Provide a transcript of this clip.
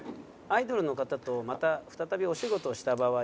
アイドルの方と再びお仕事した場合。